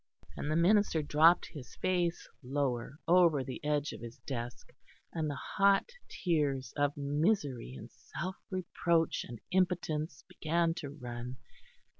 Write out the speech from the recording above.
And the minister dropped his face lower, over the edge of his desk; and the hot tears of misery and self reproach and impotence began to run.